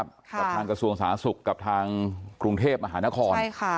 กับทางกระทรวงสาธารณสุขกับทางกรุงเทพมหานคร